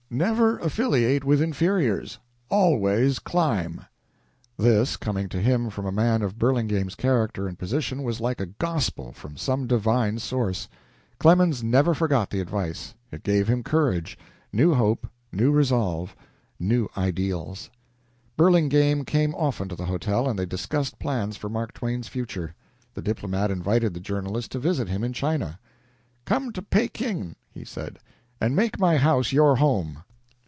Never affiliate with inferiors; always climb." This, coming to him from a man of Burlingame's character and position, was like a gospel from some divine source. Clemens never forgot the advice. It gave him courage, new hope, new resolve, new ideals. Burlingame came often to the hotel, and they discussed plans for Mark Twain's future. The diplomat invited the journalist to visit him in China: "Come to Pekin," he said, "and make my house your home."